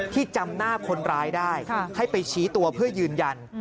จำหน้าคนร้ายได้ให้ไปชี้ตัวเพื่อยืนยัน